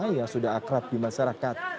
yang sudah akrab di masyarakat